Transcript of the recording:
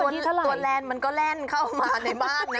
ตัวแลนด์มันก็แล่นเข้ามาในบ้านนะ